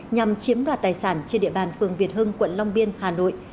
nhằm chiếm đoạt tài sản trên địa bàn phường việt hưng quận long biên hà nội